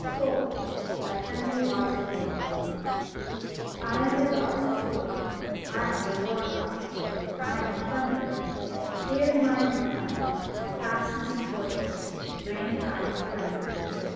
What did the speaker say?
THOR Henry Wadsworth Longfellow I am the God Thor, I am the War God, I am the Thunderer! Here in my Northland, My fastness and fortress, Reign I forever!